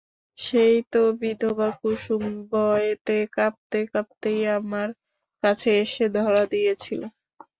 সেই তো বিধবা কুসুম ভয়েতে কাঁপতে কাঁপতেই আমার কাছে এসে ধরা দিয়েছিল।